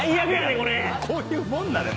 こういうもんなのよ